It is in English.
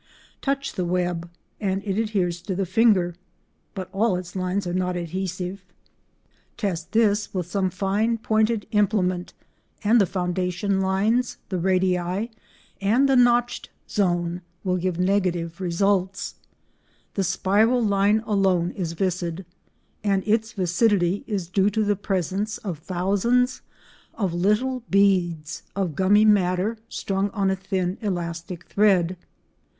Touch the web and it adheres to the finger, but all its lines are not adhesive. Test this with some fine pointed implement, and the foundation lines, the radii and the notched zone will give negative results; the spiral line alone is viscid, and its viscidity is due to the presence of thousands of little beads of gummy matter strung on a thin elastic thread.